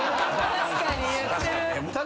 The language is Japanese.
確かに言ってる。